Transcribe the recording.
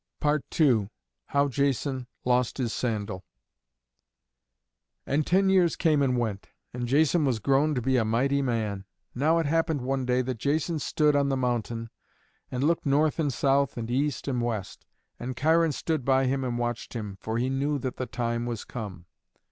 II HOW JASON LOST HIS SANDAL And ten years came and went, and Jason was grown to be a mighty man. Now it happened one day that Jason stood on the mountain, and looked north and south and east and west. And Cheiron stood by him and watched him, for he knew that the time was come.